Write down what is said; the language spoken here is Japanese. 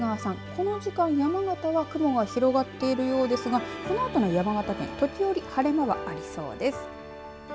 この時間、山形は雲が広がっているようですがこのあとの山形県、時折晴れ間がありそうです。